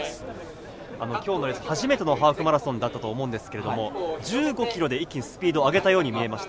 きょうのレース初めてのハーフマラソンだったと思うんですが１５ｋｍで一気にスピードを上げたように見えました。